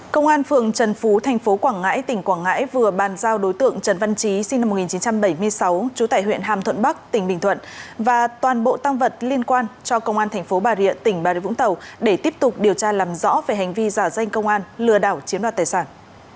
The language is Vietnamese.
công an phường trần phú thành phố quảng ngãi tỉnh quảng ngãi vừa bàn giao đối tượng trần văn chí sinh năm một nghìn chín trăm bảy mươi sáu trú tại huyện hàm thuận bắc tỉnh bình thuận và toàn bộ tăng vật liên quan cho công an thành phố bà rịa tỉnh bà rịa vũng tàu để tiếp tục điều tra làm rõ về hành vi giả danh công an lừa đảo chiếm đoạt tài sản